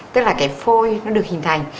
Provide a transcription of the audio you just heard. tức là cái phôi nó được hình thành